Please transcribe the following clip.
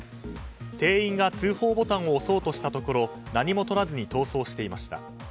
店員が通報ボタンを押そうとしたところ何もとらずに逃走していました。